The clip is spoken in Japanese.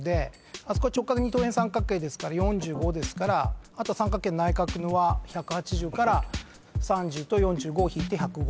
あそこ直角二等辺三角形ですから４５ですからあとは三角形の内角の和１８０から３０と４５を引いて「１０５」